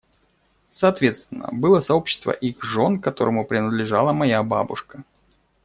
Соответственно, было сообщество их жен, к которому принадлежала моя бабушка.